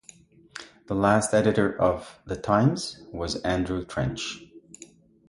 The last editor of "The Times" was Andrew Trench.